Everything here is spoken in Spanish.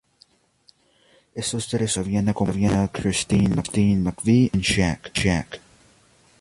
Estos tres últimos habían acompañado a Christine McVie en Chicken Shack.